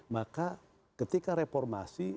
maka ketika reformasi